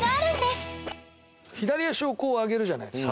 左足をこう上げるじゃないですか。